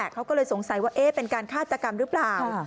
เขาก็เลยสงสัยว่าเป็นการฆาตกรรมหรือเปล่า